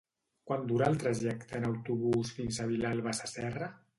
Quant dura el trajecte en autobús fins a Vilalba Sasserra?